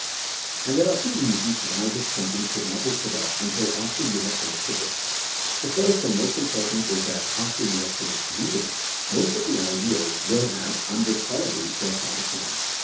And there are two reasons why this thinking should not be put off xmtil after you have finished a book. The first and more important is that after you have finished reading, most of the ideas will have unrecallably dropped out of mind.